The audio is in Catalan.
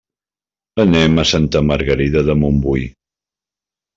Anem a Santa Margarida de Montbui.